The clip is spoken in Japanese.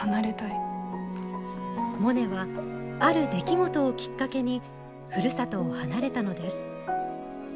モネはある出来事をきっかけにふるさとを離れたのです。